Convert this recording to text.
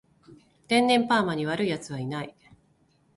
天然パーマに悪い奴はいない